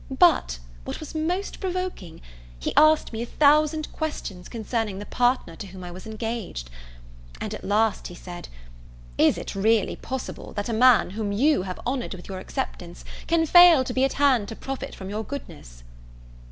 But, what was most provoking, he asked me a thousand questions concerning the partner to whom I was engaged. And at last he said, "Is it really possible that a man whom you have honoured with your acceptance can fail to be at hand to profit from your goodness?"